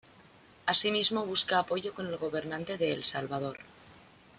Asimismo busca apoyo con el gobernante de El Salvador.